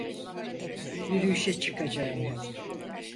Yürüyüşe çıkacağım.